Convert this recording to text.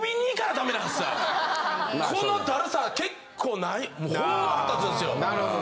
このダルさ結構ほんま腹立つんすよ。